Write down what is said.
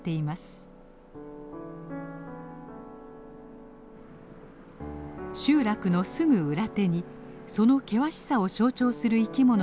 集落のすぐ裏手にその険しさを象徴する生き物がいます。